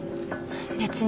別に。